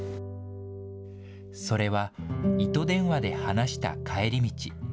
それは、糸電話で話した帰り道。